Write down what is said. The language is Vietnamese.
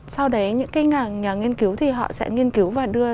sau đấy những cái nhà nghiên cứu thì họ sẽ nghiên cứu và đưa